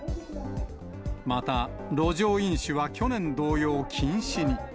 また、路上飲酒は去年同様、禁止に。